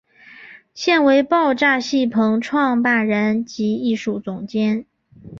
现为爆炸戏棚创办人及艺术总监。